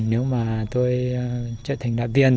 nếu mà tôi trở thành đạp viên